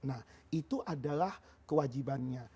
nah itu adalah kewajibannya